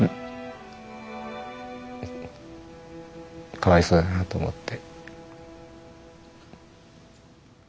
かわいそうだなと思って。